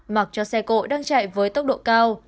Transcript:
mặc cho xe cộ đang chạy với tốc độ cao